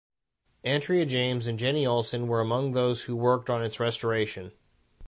Andrea James and Jenni Olson were among those who worked on its restoration.